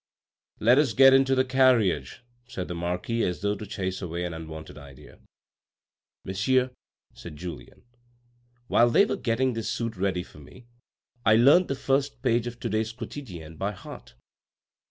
" Let us get into the carriage," said the marquis as though to chase away an unwanted idea. " Monsieur," said Julien, " while they were getting this suit ready for me, I learnt the first page of to days Quotidienne by heart."